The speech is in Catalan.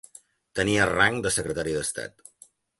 Tenia rang de Secretari d'Estat.